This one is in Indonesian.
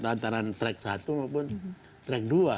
antara track satu maupun track dua